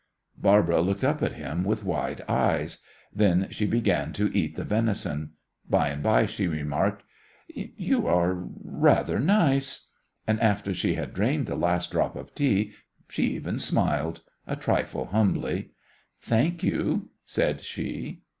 Barbara looked up at him with wide eyes. Then she began to eat the venison. By and by she remarked, "You are rather nice," and after she had drained the last drop of tea she even smiled, a trifle humbly. "Thank you," said she.